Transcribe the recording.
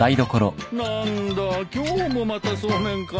何だ今日もまたそうめんかい？